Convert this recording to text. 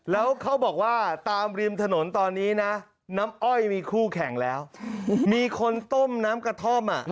แล้วเขาบอกว่าตามริมถนนตอนนี้นะน้ำอ้อยมีคู่แข่งแล้วมีคนต้มน้ำกระท่อมอ่ะ